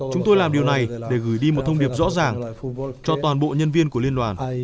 chúng tôi làm điều này để gửi đi một thông điệp rõ ràng cho toàn bộ nhân viên của liên đoàn